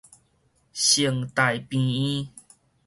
成大病院